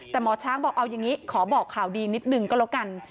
แต่หมอช้างบอกเอาอย่างนี้ขอบอกข่าวดีนิดนึงก็แล้วกัน